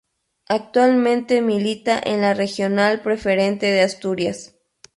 Actualmente milita en la Regional Preferente de Asturias.